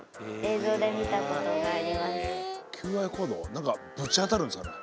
何かぶち当たるんですかね？